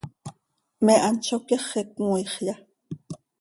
¿Me hant zó cyaxi cömooixya?